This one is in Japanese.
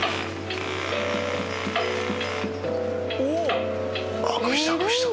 おっ！